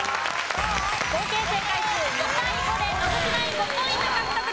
合計正解数２対５で野口ナイン５ポイント獲得です！